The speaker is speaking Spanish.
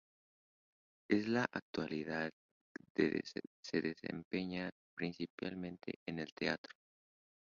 En la actualidad se desempeña principalmente en el teatro.